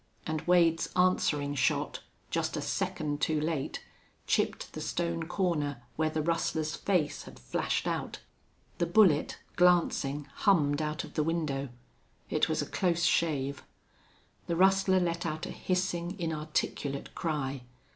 And Wade's answering shot, just a second too late, chipped the stone corner where the rustler's face had flashed out. The bullet, glancing, hummed out of the window. It was a close shave. The rustler let out a hissing, inarticulate cry.